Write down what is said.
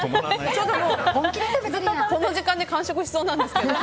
ちょっとこの時間で完食しそうなんですけど。